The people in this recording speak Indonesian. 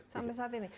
sampai saat ini